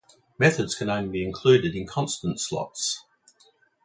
Methods can only be included in constant slots.